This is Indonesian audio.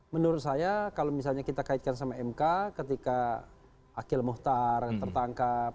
menurut saya kalau misalnya kita kaitkan sama mk ketika akil muhtar tertangkap